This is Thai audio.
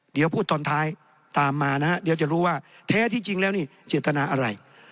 เดี๋ยวพูดตอนท้ายตามมานะฮะเดี๋ยวจะรู้ว่าแท้ที่จริงแล้วนี่เจตนาอะไร